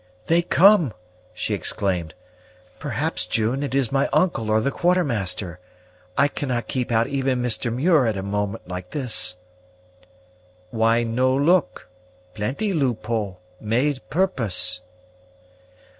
"They come!" she exclaimed. "Perhaps, June, it is my uncle or the Quartermaster. I cannot keep out even Mr. Muir at a moment like this." "Why no look? plenty loophole, made purpose."